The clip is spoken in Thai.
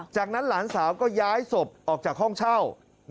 จากนั้นหลานสาวก็ย้ายศพออกจากห้องเช่า